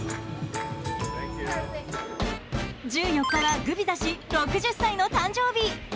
１４日はグビザ氏６０歳の誕生日。